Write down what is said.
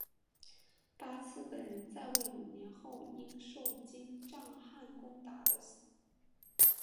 八剌本人在位五年后因受金帐汗攻打而死。